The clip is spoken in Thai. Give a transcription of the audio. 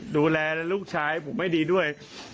ดูแลลูกชายผมไม่ดีด้วย